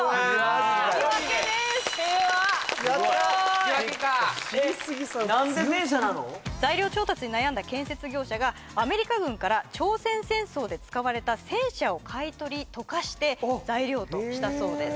引き分けかえっ材料調達に悩んだ建設業者がアメリカ軍から朝鮮戦争で使われた戦車を買い取り溶かして材料としたそうです